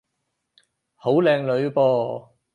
好靚女噃